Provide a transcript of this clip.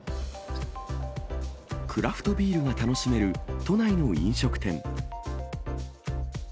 クラフトビールが楽しめる都内の飲食店。